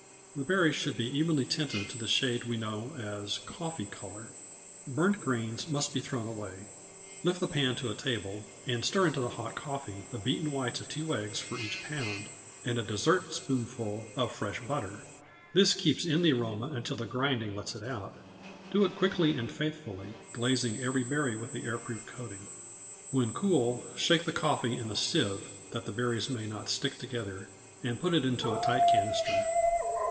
The berries should be evenly tinted to the shade we know as "coffee color." Burnt grains must be thrown away. Lift the pan to a table, and stir into the hot coffee the beaten whites of two eggs for each pound, and a dessertspoonful of fresh butter. This keeps in the aroma until the grinding lets it out. Do it quickly and faithfully, glazing every berry with the air proof coating. When cool, shake the coffee in a sieve, that the berries may not stick together, and put it into a tight canister.